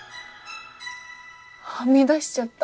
はみ出しちゃった。